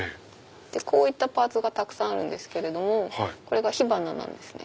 こういったパーツがあるけれどもこれが火花なんですね。